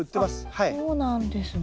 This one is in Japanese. あっそうなんですね。